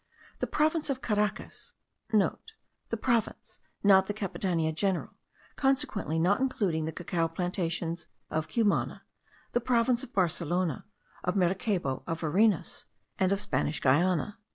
The province of Caracas,* (* The province, not the capitania general, consequently not including the cacao plantations of Cumana, the province of Barcelona, of Maracaybo, of Varinas, and of Spanish Guiana.)